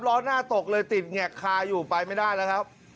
ร้อน่าตกเลยติดแงะคลาอยู่ไปไม่ได้ล่ะครับ